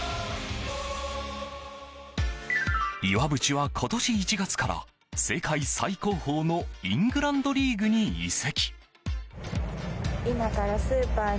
岩渕は今年１月から世界最高峰のイングランドリーグに移籍。